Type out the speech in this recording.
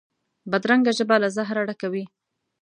بدرنګه ژبه له زهره ډکه وي